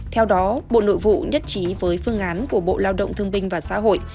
theo đó bộ nội vụ nhất trí với phương án của bộ lao động thương binh và xã hội